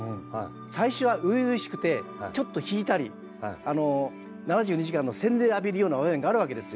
最初は初々しくてちょっと引いたり「７２時間」の洗礼浴びるような場面があるわけですよ。